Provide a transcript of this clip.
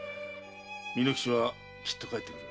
巳之吉はきっと帰ってくる。